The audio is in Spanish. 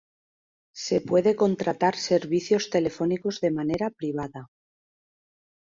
Se puede contratar servicios telefónicos de manera privada.